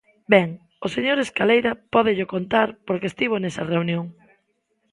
Ben, o señor Escaleira pódello contar porque estivo nesa reunión.